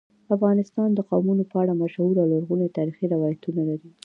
افغانستان د قومونه په اړه مشهور او لرغوني تاریخی روایتونه لري.